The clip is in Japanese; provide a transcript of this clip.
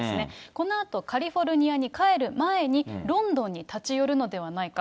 このあとカリフォルニアに帰る前に、ロンドンに立ち寄るのではないか。